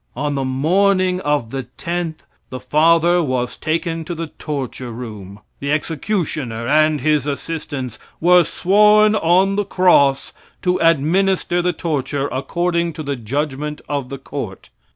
On the morning of the 10th the father was taken to the torture room. The executioner and his assistants were sworn on the cross to administer the torture according to the judgment of the court.